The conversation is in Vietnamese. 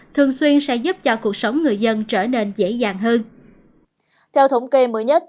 thường xuyên sẽ giúp cho cuộc sống người dân trở nên dễ dàng hơn